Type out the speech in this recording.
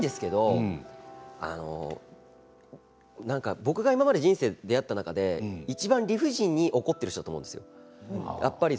厳しいんですけど僕が人生で出会った中でいちばん理不尽に怒っている人だと思います。